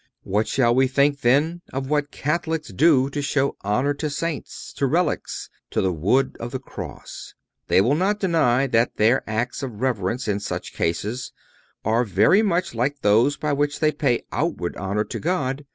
What shall we think, then, of what Catholics do to show honor to Saints, to relics, to the wood of the cross? They will not deny that their acts of reverence, in such cases, are very much like those by which they pay outward honor to God.